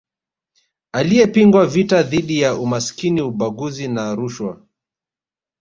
Aliyepinga vita dhidi ya umasikini ubaguzi na rushwa